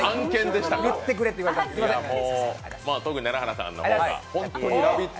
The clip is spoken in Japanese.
特に楢原さんの方が「ラヴィット！」